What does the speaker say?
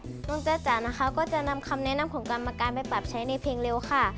น้องจ้าจ๋านะคะก็จะนำคำแนะนำของกรรมการไปปรับใช้ในเพลงเร็วค่ะ